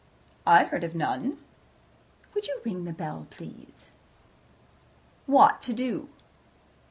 "I heard of none." "Would you ring the bell, please?" "What to do?"